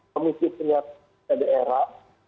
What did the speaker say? komisi penyelidikan daerah